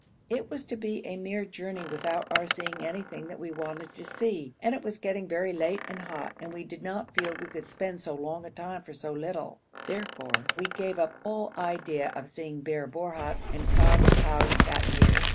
It was to be a mere journey without our seeing anything that we wanted to see, and it was getting very late and hot, and we did not feel we could spend so long a time for so little; therefore we gave up all idea of seeing Bir Borhut and Kabr Houd that year.